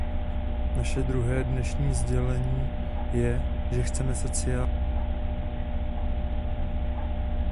Naše druhé dnešní sdělení je, že chceme sociální jednotný trh.